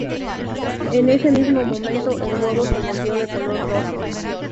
En ese mismo momento, el huevo se volvió de color rojo...